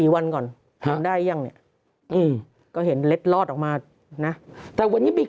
วันก่อนเห็นได้ยังเนี่ยก็เห็นเล็ดลอดออกมานะแต่วันนี้มี